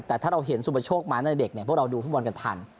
แต่ถ้าเราเห็นสุบชกมาในเด็กพวกเราดูบนกันทัน